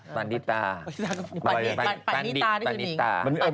ปานิตานี่นิ้ว